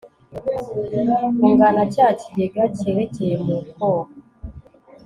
ungana cya kigega kerekeye mu koko